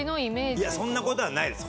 いやそんな事はないです。